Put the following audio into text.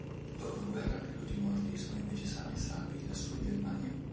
Dopo la guerra, creduti morti, sono invece sani e salvi, lassù in Germania.